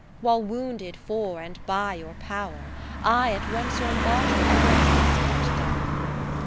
lo While wounded for and by your power, I At once your Martyr and your Prospect die.